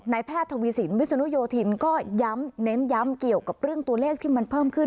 แพทย์ทวีสินวิศนุโยธินก็ย้ำเน้นย้ำเกี่ยวกับเรื่องตัวเลขที่มันเพิ่มขึ้น